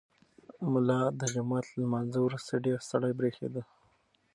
ملا د جومات له لمانځه وروسته ډېر ستړی برېښېده.